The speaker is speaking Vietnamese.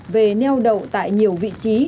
về neo đậu tại nhiều vị trí